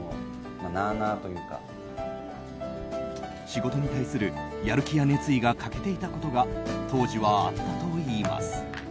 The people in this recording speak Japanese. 仕事に対するやる気や熱意が欠けていたことが当時はあったといいます。